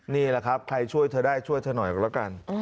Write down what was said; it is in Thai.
นี่แหละครับใครช่วยเธอได้ช่วยเธอหน่อยก็แล้วกัน